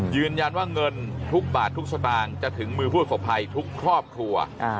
ยืนยันว่าเงินทุกบาททุกสตางค์จะถึงมือผู้ประสบภัยทุกครอบครัว